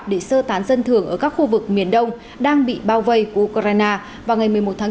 để sơ tán dân thường ở các khu vực miền đông đang bị bao vây của ukraine vào ngày một mươi một tháng bốn